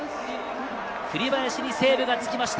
栗林にセーブがつきました。